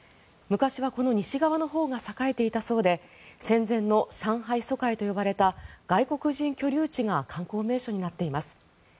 昔はこの西側のほうが栄えていたそうで戦前の上海租界と呼ばれた外国人居留地が観光名所になっています。